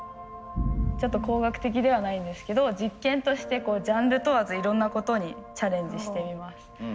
ちょっと工学的ではないんですけど実験としてジャンル問わずいろんなことにチャレンジしてみます。